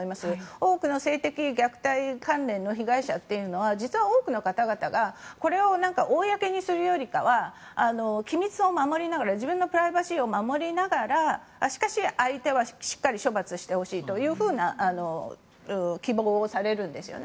多くの性的虐待関連の被害者というのは実は多くの方々がこれを公にするよりかは機密を守りながら自分のプライバシーを守りながらしかし、相手はしっかり処罰してほしいというふうな希望をされるんですよね。